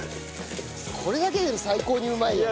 これだけで最高にうまいよね。